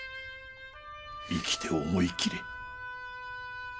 生きて思い切れ。